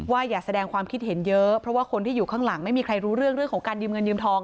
อย่าแสดงความคิดเห็นเยอะเพราะว่าคนที่อยู่ข้างหลังไม่มีใครรู้เรื่องของการยืมเงินยืมทอง